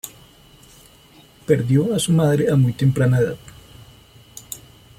Perdió a su madre a muy temprana edad.